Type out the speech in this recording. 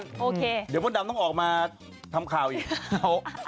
โอเคเดี๋ยวมดดำต้องออกมาทำข่าวอีก